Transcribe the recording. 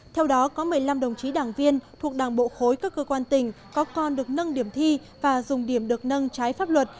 theo đó có một mươi năm đồng chí đảng viên thuộc đảng bộ khối các cơ quan tỉnh có con được nâng điểm thi và dùng điểm được nâng trái pháp luật